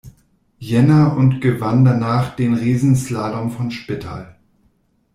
Jänner und gewann danach den Riesenslalom von Spittal.